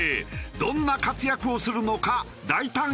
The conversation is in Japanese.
どんな活躍をするのか大胆予想！